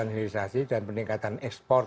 peningkatan inisiasi dan peningkatan ekspor